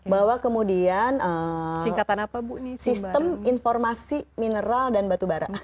bahwa kemudian sistem informasi mineral dan batu bara